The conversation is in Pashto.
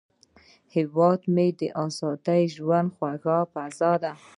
هیواد مې د ازاد ژوند خوږه فضا ده